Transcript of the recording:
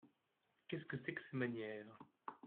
Qu’est-ce que c’est que ces manières !